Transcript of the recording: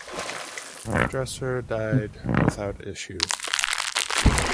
Dresser died without issue.